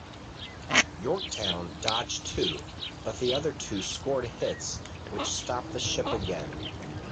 "Yorktown" dodged two, but the other two scored hits which stopped the ship again.